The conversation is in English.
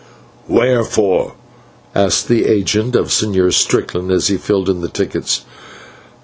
"Where for?" asked the agent of the Señor Strickland, as he filled in the tickets.